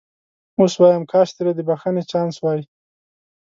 اوس وایم کاش ترې د بخښنې چانس وای.